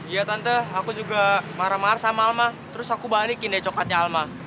ya tante aku juga marah marah sama alma terus aku balikin deh coklatnya alma